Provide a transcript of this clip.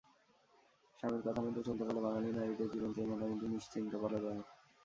স্বামীর কথামতো চলতে পারলে বাঙালি নারীদের জীবন তাই মোটামুটি নিশ্চিন্ত বলা যায়।